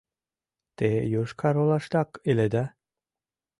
— Те Йошкар-Олаштак иледа?